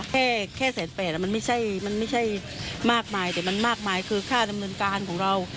แค่แสนแปดมันไม่ใช่มันไม่ใช่มากมายแต่มันมากมายคือค่าดำเนินการของเรา